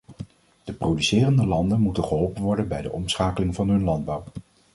De producerende landen moeten geholpen worden bij de omschakeling van hun landbouw.